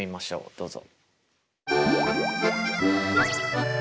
どうぞ。